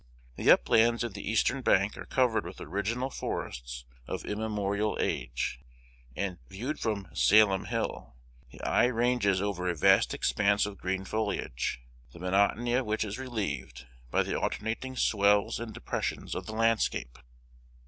The uplands of the eastern bank are covered with original forests of immemorial age; and, viewed from "Salem Hill," the eye ranges over a vast expanse of green foliage, the monotony of which is relieved by the alternating swells and depressions of the landscape.